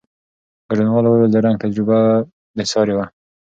ګډونوالو وویل، د رنګ تجربه بېساري وه.